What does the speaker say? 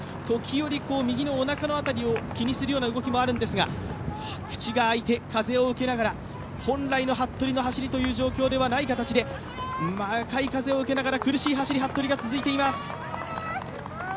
時折、右のおなかの辺りを気にするような動きもあるんですが、口が開いて、風を受けながら本来の服部の走りという状況ではない中で向かい風を受けながら、服部は苦しい走りが続いています。